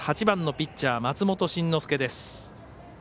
８番のピッチャー、松本慎之介。